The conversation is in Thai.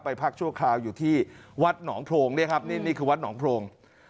ไปพักชั่วคราวอยู่ที่วัดหนองโพงนี่คือวัดหนองโพง